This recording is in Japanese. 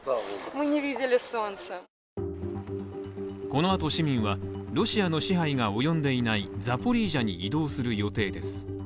このあと市民はロシアの支配が及んでいないザポリージャに移動する予定です。